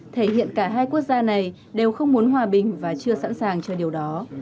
thể hiện cả hai quốc gia này đều không muốn hòa bình và chưa sẵn sàng cho điều đó